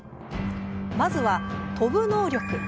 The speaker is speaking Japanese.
まずは、飛ぶ能力。